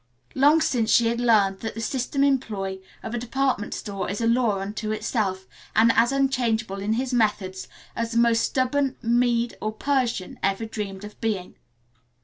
Long since she had learned that the system employe of a department store is a law unto himself, and as unchangeable in his methods as the most stubborn Mede or Persian ever dreamed of being.